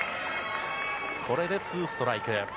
これでツーストライク。